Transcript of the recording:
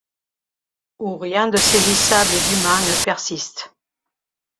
Où rien de saisissable et d’humain ne persiste